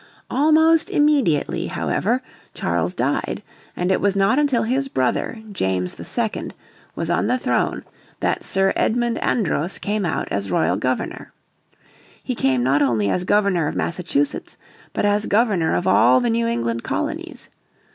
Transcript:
Almost immediately, however, Charles died, and it was not until his brother, James II, was on the throne that Sir Edmund Andros came out as royal Governor. He came not only as Governor of Massachusetts but as Governor of all the New England Colonies.